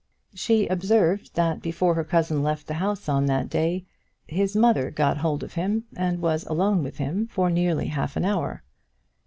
She observed that before her cousin left the house on that day, his mother got hold of him and was alone with him for nearly half an hour.